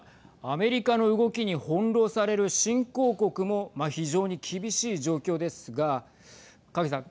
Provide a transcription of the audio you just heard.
アメリカの動きに翻弄される新興国も非常に厳しい状況ですが影さん。